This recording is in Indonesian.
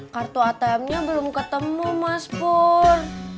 kartu atm nya belum ketemu mas pur